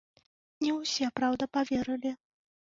Не ўсе, праўда, паверылі.